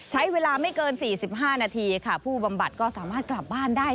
ใช้เวลาไม่เกิน๔๕นาทีค่ะผู้บำบัดก็สามารถกลับบ้านได้